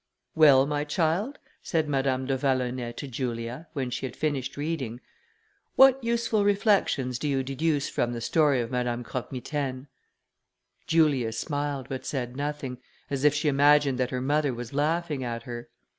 "Well, my child," said Madame de Vallonay to Julia, when she had finished reading, "what useful reflections do you deduce from the story of Madame Croque Mitaine?" Julia smiled, but said nothing, as if she imagined that her mother was laughing at her.